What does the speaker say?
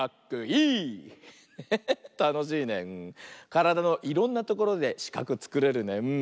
からだのいろんなところでしかくつくれるね。